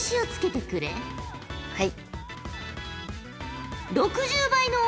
はい。